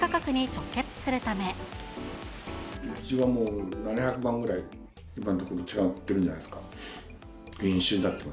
うちはもう、７００万ぐらい今のところ違ってるんじゃないですか。